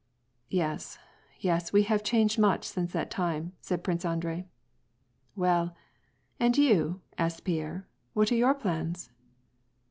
^'Yes, yes, we have changed much since that time," said Prince Andrei. " Well, and you," asked Pierre, " what are your plans